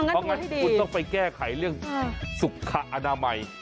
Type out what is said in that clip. คุณต้องไปแก้ไขเรื่องสุขอนามัย